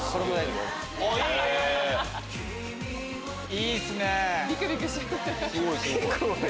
いいっすね！